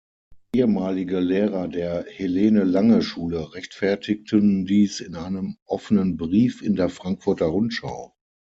Ehemalige Lehrer der Helene-Lange-Schule rechtfertigten dies in einem offenen Brief in der „Frankfurter Rundschau“.